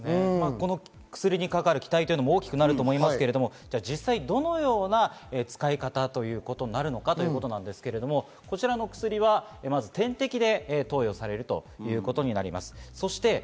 この薬にかかる期待も大きくなると思うんですが、実際にどのような使い方なんだということなんですが、こちらの薬は点滴で投与されるということです。